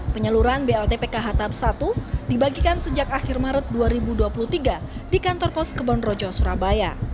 penyeluruhan blt pkh tab satu dibagikan sejak akhir maret dua ribu dua puluh tiga di kantor pos kebonrojo surabaya